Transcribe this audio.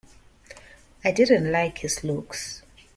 I didn't like his looks.